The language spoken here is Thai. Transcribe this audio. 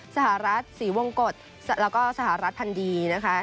สหรัฐศรีวงกฎแล้วก็สหรัฐพันดีนะคะ